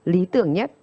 lý tưởng nhất